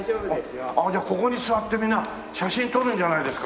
ああじゃあここに座ってみんな写真撮るんじゃないですか？